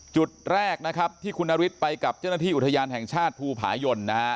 จุดแรกนะครับที่คุณนฤทธิ์ไปกับเจ้าหน้าที่อุทยานแห่งชาติภูผายนนะฮะ